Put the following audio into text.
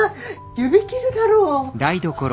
指切るだろ。